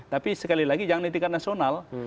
tapi sekali lagi jangan dikaitkan nasional